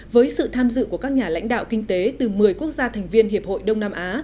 với sự tham dự của các nhà lãnh đạo kinh tế từ một mươi quốc gia thành viên hiệp hội đông nam á